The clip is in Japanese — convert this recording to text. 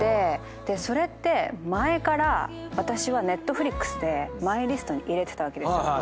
でそれって前から私はＮｅｔｆｌｉｘでマイリストに入れてたわけですよ。